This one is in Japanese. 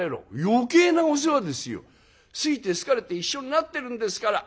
「余計なお世話ですよ。好いて好かれて一緒になってるんですから。